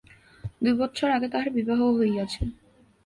দুই বৎসর আগে তাহার বিবাহ হইয়াছে।